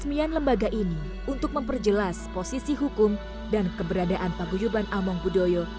keresmian lembaga ini untuk memperjelas posisi hukum dan keberadaan paguyuban among budoyo